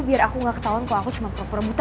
biar aku gak ketauan kalo aku cuma pura pura buta